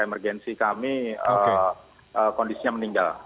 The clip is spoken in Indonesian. emergensie kami berkondisinya meninggal